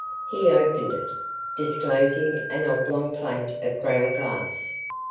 He opened it, disclosing an oblong plate of ground glass.